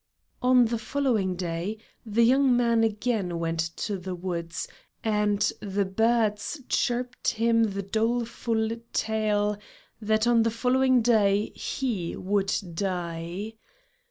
On the following day, the young man again went to the woods, and the birds chirped him the doleful tale, that on the following day he would die.